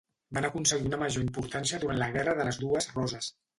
Van aconseguir una major importància durant la Guerra de les Dues Roses.